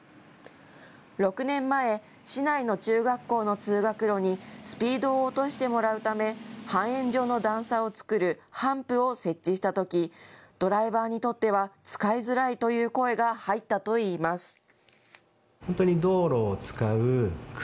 ６年前、市内の中学校の通学路にスピードを落としてもらうため半円状の段差を作るハンプを設置したとき、ドライバーにとっては使いづらいという声が入ったといいます。